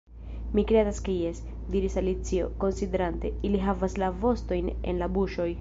"Mi kredas ke jes," diris Alicio, konsiderante. "Ili havas la vostojn en la buŝoj. »